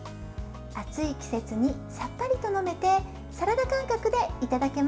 暑い季節にさっぱりと飲めてサラダ感覚でいただけます。